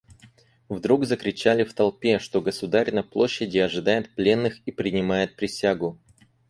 Вдруг закричали в толпе, что государь на площади ожидает пленных и принимает присягу.